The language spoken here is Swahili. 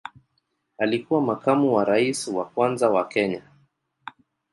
Alikuwa makamu wa rais wa kwanza wa Kenya.